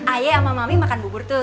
ayah sama mami makan bubur tuh